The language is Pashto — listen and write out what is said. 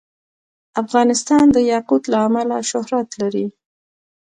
افغانستان د یاقوت له امله شهرت لري.